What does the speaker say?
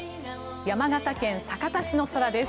山形県酒田市の空です。